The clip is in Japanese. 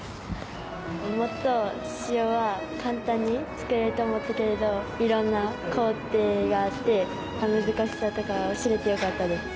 もっと塩は簡単に作れると思ってたけど色んな工程があって難しさとかを知れてよかったです。